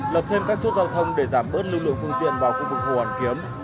lập thêm các chút giao thông để giảm bớt lực lượng phương tiện vào khu vực hồ hàn kiếm